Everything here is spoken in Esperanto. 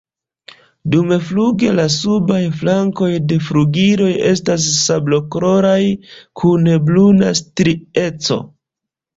Dumfluge la subaj flankoj de flugiloj estas sablokoloraj kun bruna strieco.